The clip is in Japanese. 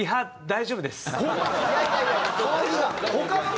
大丈夫です。